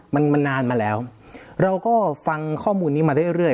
มันมันนานมาแล้วเราก็ฟังข้อมูลนี้มาเรื่อย